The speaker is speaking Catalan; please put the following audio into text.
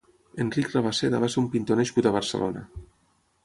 Enric Rabasseda va ser un pintor nascut a Barcelona.